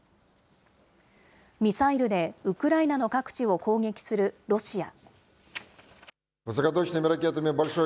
ミサイルでウクライナの各地を攻撃するロシア。